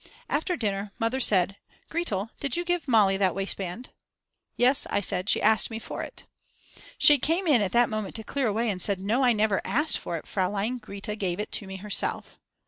After dinner Mother said, Gretel, did you give Mali that waistband? Yes, I said, she asked me for it. She came in at that moment to clear away and said: "No, I never asked for it, Fraulein Grete gave it to me herself."